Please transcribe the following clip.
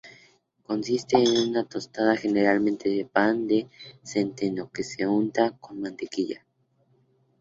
Consiste en una tosta, generalmente de pan de centeno que se unta con mantequilla.